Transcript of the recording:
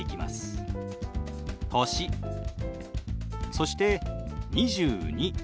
そして「２２」。